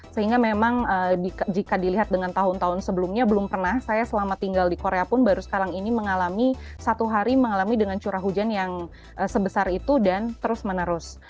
sehingga memang jika dilihat dengan tahun tahun sebelumnya belum pernah saya selama tinggal di korea pun baru sekarang ini mengalami satu hari mengalami dengan curah hujan yang sebesar itu dan terus menerus